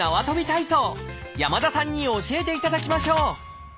体操山田さんに教えていただきましょう！